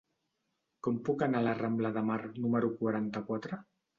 Com puc anar a la rambla de Mar número quaranta-quatre?